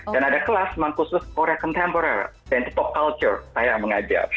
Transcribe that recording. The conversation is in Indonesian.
dan ada kelas memang khusus korea kontemporer dan itu pop culture saya mengajar